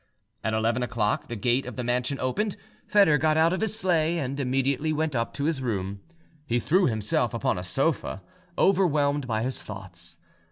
At eleven o'clock the gate of the mansion opened: Foedor got out of his sleigh, and immediately went up to his room. He threw himself upon a sofa, overwhelmed by his thoughts.